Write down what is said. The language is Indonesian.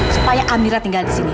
supaya amira tinggal disini